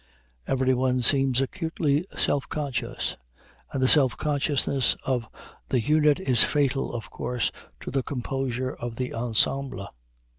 Everyone seems acutely self conscious; and the self consciousness of the unit is fatal, of course, to the composure of the ensemble.